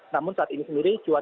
namun saat ini sendiri cuaca